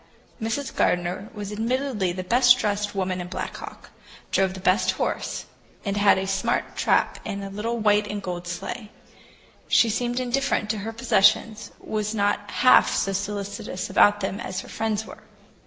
Mrs. Gardener was admittedly the best dressed woman in Black Hawk, drove the best horse, and had a smart trap and a little white and gold sleigh. She seemed indifferent to her possessions, was not half so solicitous about them as her friends were.